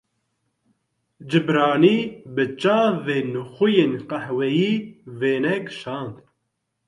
Cibranî bi çavên xwe yên qehweyî wêne kişand.